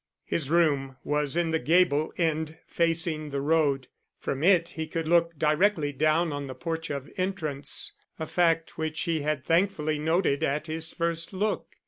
His room was in the gable end facing the road. From it he could look directly down on the porch of entrance, a fact which he had thankfully noted at his first look.